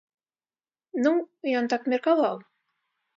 Ну, ён так меркаваў.